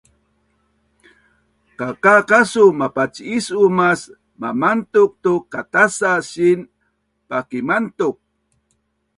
Kakaa kasu mapacis-u mas mamantuk tu katasa siin pakimantuk